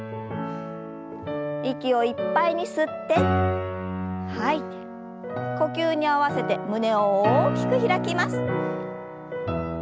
息をいっぱいに吸って吐いて呼吸に合わせて胸を大きく開きます。